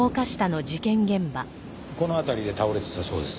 この辺りで倒れてたそうです。